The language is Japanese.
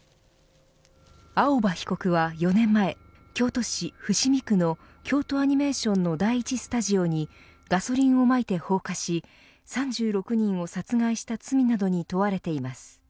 青葉被告は４年前京都市伏見区の京都アニメーションの第１スタジオにガソリンをまいて放火し３６人を殺害した罪などに問われています。